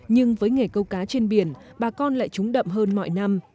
nhưng với nghề câu cá trên biển bà con lại trúng đậm hơn mọi năm